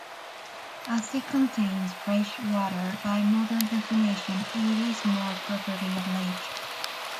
As it contains fresh water, by modern definitions it is more properly a lake.